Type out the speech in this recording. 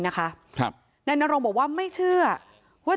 นายนารงบอกว่าไม่เชื่อว่า